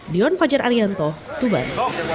dion fajar arianto tuban